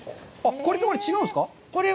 これ、違うんですか？